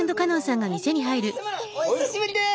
おっ久しぶりです。